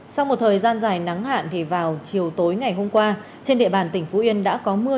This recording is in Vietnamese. sau một thời gian dài nắng hạn thì vào chiều tối ngày hôm qua trên địa bàn tỉnh phú yên đã có mưa